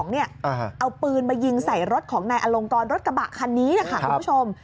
เอาปืนมายิงใส่รถของนายอลงกรรถกระบะคันนี้นะคะคุณผู้ชม